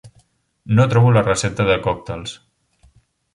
No trobo la recepta de còctels.